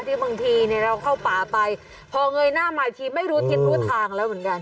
บางทีเนี่ยเราเข้าป่าไปพอเงยหน้ามาอีกทีไม่รู้ทิศรู้ทางแล้วเหมือนกัน